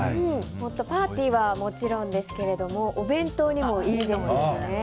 パーティーはもちろんですがお弁当にもいいですよね。